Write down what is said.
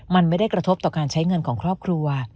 มันไม่ได้กระทบต่อการใช้เงินของครอบครัว